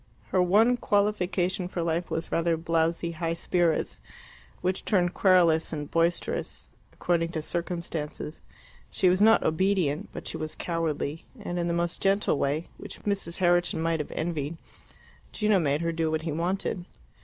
Her one qualification for life was rather blowsy high spirits, which turned querulous or boisterous according to circumstances. She was not obedient, but she was cowardly, and in the most gentle way, which Mrs. Herriton might have envied, Gino made her do what he wanted.